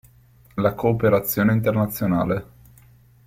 La cooperazione internazionale.